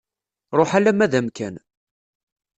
Ruḥ alamma d amkan.